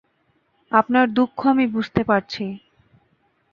আপনার দুঃখ আমি বুঝতে পারছি।